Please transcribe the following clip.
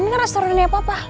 ini restorannya apa apa